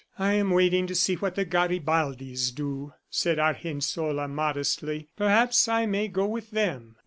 "I am waiting to see what the Garibaldis do," said Argensola modestly. "Perhaps I may go with them."